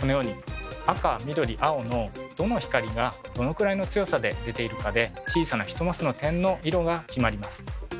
このように赤緑青のどの光がどのくらいの強さで出ているかで小さな１マスの点の色が決まります。